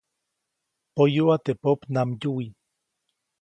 Poyuʼa teʼ popnamdyuwi.